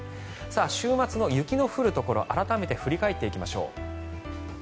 週末の雪の降るところ改めて振り返っていきましょう。